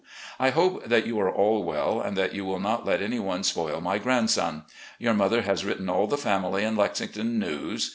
I hope that you are aH well and that you will not let any one spoil my grandson. Your mother has written all the family and Lexington news.